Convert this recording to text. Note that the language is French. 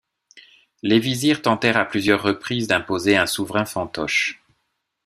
Les vizirs tentèrent à plusieurs reprises d'imposer un souverain fantoche.